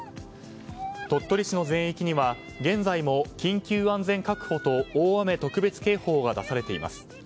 鳥取市の全域には現在も緊急安全確保と大雨特別警報が出されています。